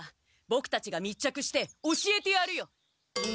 ボクたちが密着して教えてやるよ。